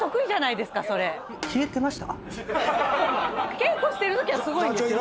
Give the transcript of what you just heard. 稽古してるときはすごいんです！